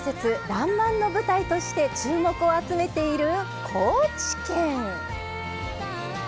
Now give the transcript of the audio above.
「らんまん」の舞台として注目を集めている高知県